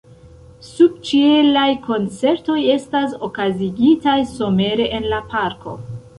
Subĉielaj koncertoj estas okazigitaj somere en la parko.